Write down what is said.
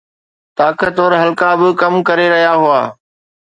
طاقتور حلقا به ڪم ڪري رهيا هئا.